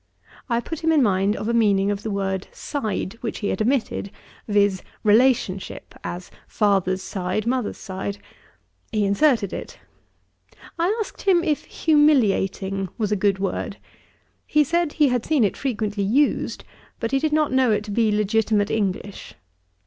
I put him in mind of a meaning of the word side, which he had omitted, viz. relationship; as father's side, mother's side. He inserted it. I asked him if humiliating was a good word. He said, he had seen it frequently used, but he did not know it to be legitimate English.